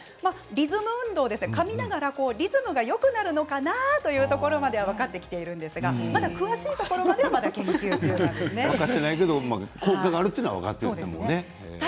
リズム運動でかみながらリズムがよくなるのかなってところまでは分かってきているんですが詳しい分からないけど効果があるというところが分かっているということですね。